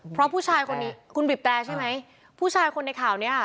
เพราะผู้ชายคนนี้คุณบีบแตรใช่ไหมผู้ชายคนในข่าวนี้ค่ะ